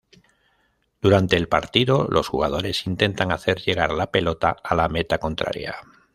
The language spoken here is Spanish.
Durante el partido, los jugadores intentan hacer llegar la pelota a la meta contraria.